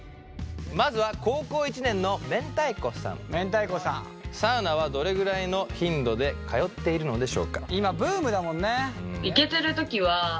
まずは高校１年のサウナはどれぐらいの頻度で通っているのでしょうか？